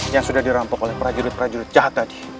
yang sudah dirampok oleh prajurit prajurit jahat tadi